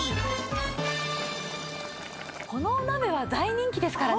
このお鍋は大人気ですからね。